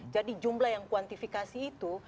jumlah yang kuantifikasi itu